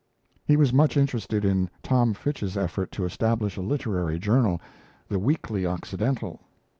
He was much interested in Tom Fitch's effort to establish a literary journal, 'The Weekly Occidental'.